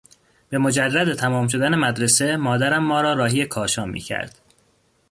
به مجرد تمام شدن مدرسه مادرم ما را راهی کاشان میکرد.